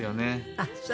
ああそう。